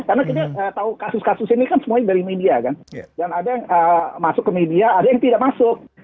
karena kita tahu kasus kasus ini kan semuanya dari media kan dan ada yang masuk ke media ada yang tidak masuk